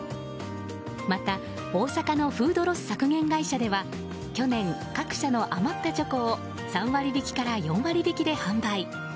また、大阪のフードロス削減会社では去年、各社の余ったチョコを３割引きから４割引きで販売。